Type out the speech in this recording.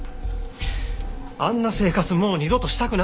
あんな生活もう二度としたくなかった！